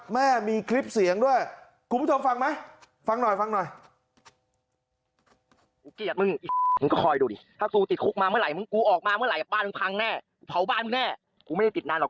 แม่มีคลิปเสียงด้วยคุณผู้ชมฟังไหมฟังหน่อยฟังหน่อย